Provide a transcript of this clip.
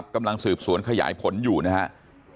กำลังสืบสวนขยายผลอยู่นะครับ